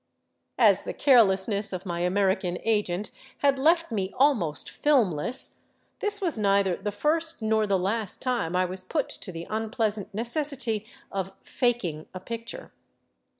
As the carelessness of my American agent had left me almost filmless, this was neither the first nor the last time I was put to the unpleasant necessity of " faking " a picture.